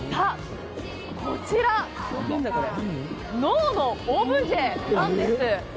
こちら、脳のオブジェなんです。